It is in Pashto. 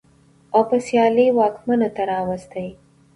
او په سيالۍ واکمنو ته راوستې.